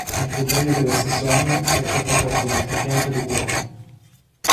Nel febbraio dello stesso anno si era sottoposto ad un trapianto di cuore.